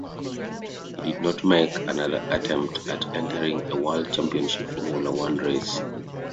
He did not make another attempt at entering a World Championship Formula One race.